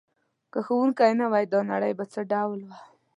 که ښوونکی نه وای دا نړۍ به څه ډول وه؟